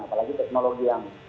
apalagi teknologi yang